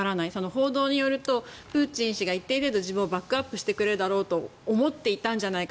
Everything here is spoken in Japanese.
報道によるとプーチン氏が一定程度自分をバックアップしてくれると思っていたんじゃないか。